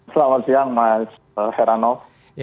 selamat siang mas heranov